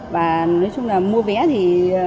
và nói chung là mua vé thì